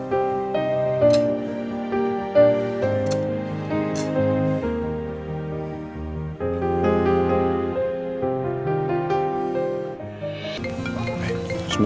halo pak aldi baran